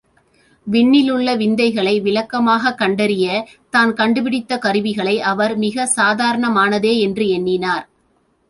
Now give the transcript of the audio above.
விண்ணில் உள்ள விந்தைகளை விளக்கமாகக் கண்டறிய தான் கண்டுபிடித்தக்கருவிகளை அவர் மிகச்சாதாரணமானதே என்று எண்ணினார்.